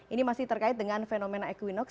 ini masih terkait dengan fenomena equinox